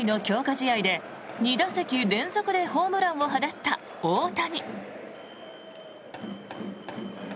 試合で２打席連続でホームランを放った大谷。